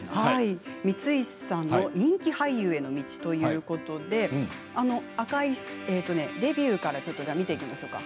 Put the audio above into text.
光石さんの人気俳優への道ということでデビューから見ていきましょうか。